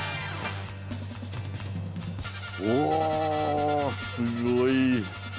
おぉすごい。